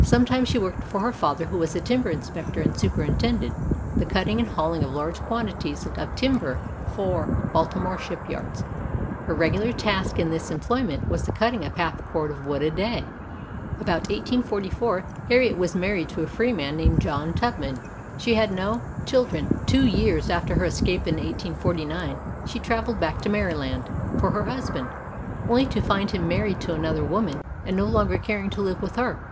Sometimes she worked for her father, who was a timber inspector and superintended the cutting and hauling of large quantities of timber for the Baltimore ship yards. Her regular task in this em ployment was the cutting of half a cord of wood a day. About 1844 Harriet was married to a free man named John Tubman. She had no 30 WOMEN OF ACHIEVEMENT children. Two years after her escape in 1849 she traveled back to Maryland for her husband, only to find him married to another woman and no longer caring to live with her.